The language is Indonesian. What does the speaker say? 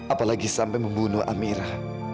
apalagi sampai membunuh amira